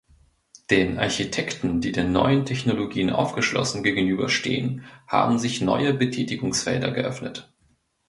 Den Architekten, die den neuen Technologien aufgeschlossen gegenüberstehen, haben sich neue Betätigungsfelder geöffnet.